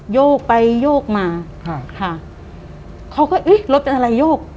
โยกไปโยกมาเขาก็อุ๊ยรถเป็นอะไรโยก